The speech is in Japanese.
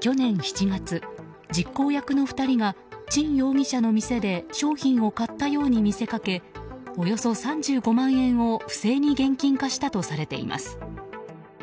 去年７月、実行役の２人がチン容疑者の店で商品を買ったように見せかけおよそ３５万円を不正に現金化したとされています。